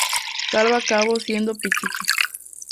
Salva acabó siendo Pichichi.